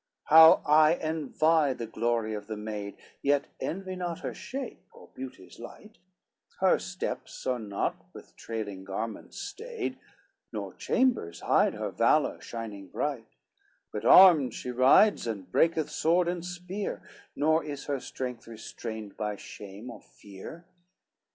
How I envy the glory of the maid, Yet envy not her shape, or beauty's light; Her steps are not with trailing garments stayed, Nor chambers hide her valor shining bright; But armed she rides, and breaketh sword and spear, Nor is her strength restrained by shame or fear.